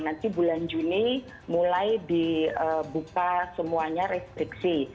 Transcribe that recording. nanti bulan juni mulai dibuka semuanya restriksi